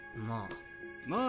まあ。